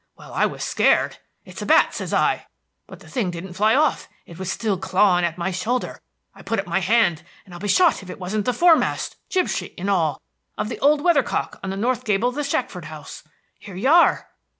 Well, I was scared. It's a bat, says I. But the thing didn't fly off; it was still clawing at my shoulder. I put up my hand, and I'll be shot if it wasn't the foremast, jib sheet and all, of the old weather cock on the north gable of the Shackford house! Here you are!"